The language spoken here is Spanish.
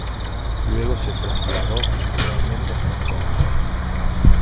Luego se trasladó temporalmente a Hong Kong.